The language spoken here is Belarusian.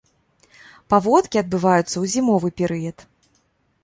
Паводкі адбываюцца ў зімовы перыяд.